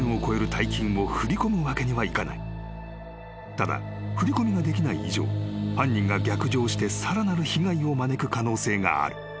［ただ振り込みができない以上犯人が逆上してさらなる被害を招く可能性がある］